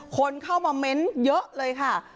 คนเข้ามาเม้นต์เยอะเลยค่ะ